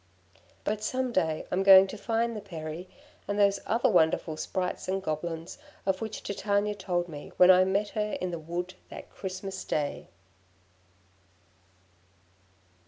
But some day I'm going to find the Peri, and those other wonderful Sprites and Goblins of which Titania told me when I met her in the wood that Christmas day.